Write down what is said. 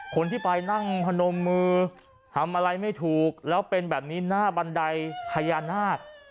คนที่ไปนั่งพนมมือทำอะไรไม่ถูกแล้วเป็นแบบนี้หน้าบันไดพญานาค